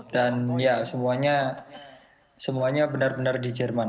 dan ya semuanya benar benar di jerman